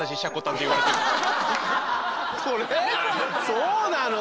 そうなの。